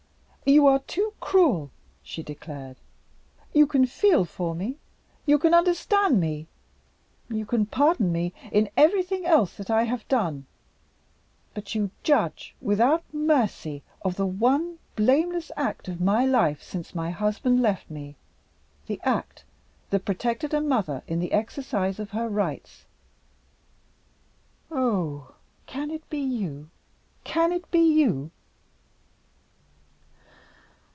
"You are too cruel!" she declared. "You can feel for me, you can understand me, you can pardon me in everything else that I have done. But you judge without mercy of the one blameless act of my life, since my husband left me the act that protected a mother in the exercise of her rights. Oh, can it be you? Can it be you?"